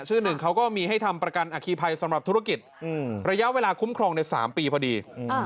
หนึ่งเขาก็มีให้ทำประกันอคีภัยสำหรับธุรกิจระยะเวลาคุ้มครองใน๓ปีพอดี